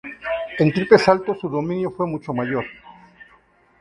En triple salto su dominio fue mucho mayor.